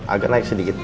agak naik sedikit